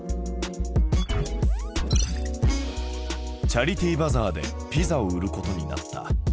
チャリティーバザーでピザを売ることになった。